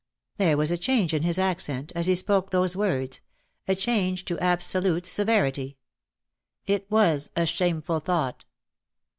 There was a change in his accent, as he spoke those words, a change to absolute severity. "It was a shameful thought."